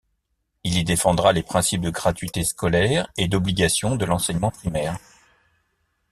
Il y défendra les principes de gratuité scolaire et d'obligation de l'enseignement primaire.